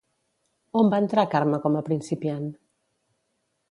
On va entrar Carme com a principiant?